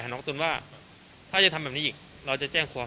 น้องตุ๋นว่าถ้าจะทำแบบนี้อีกเราจะแจ้งความ